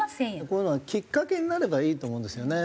こういうのがきっかけになればいいと思うんですよね